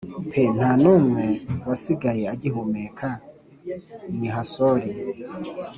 Pe nta n umwe wasigaye agihumeka n i hasori